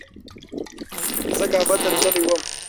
زه کابل ته تللی وم.